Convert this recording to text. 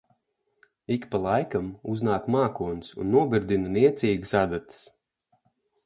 Ik pa laikam uznāk mākonis un nobirdina niecīgas adatas.